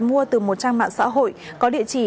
mua từ một trang mạng xã hội có địa chỉ